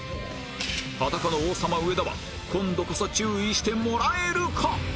裸の王様上田は今度こそ注意してもらえるか？